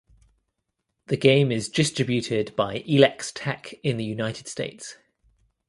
The game is distributed by Elex Tech in the United States.